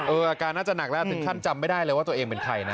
อาการน่าจะหนักแล้วถึงขั้นจำไม่ได้เลยว่าตัวเองเป็นใครนะ